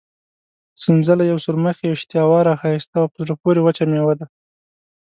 سنځله یوه سورمخې، اشتها اوره، ښایسته او په زړه پورې وچه مېوه ده.